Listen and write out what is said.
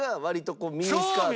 超ミニスカート！